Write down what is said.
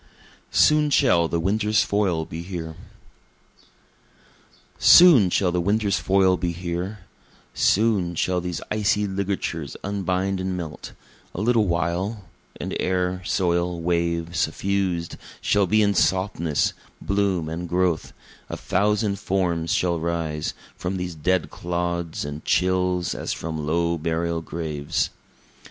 Soon Shall the Winter's Foil Be Here Soon shall the winter's foil be here; Soon shall these icy ligatures unbind and melt A little while, And air, soil, wave, suffused shall be in softness, bloom and growth a thousand forms shall rise From these dead clods and chills as from low burial graves.